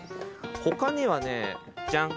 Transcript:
ほかにはねじゃん。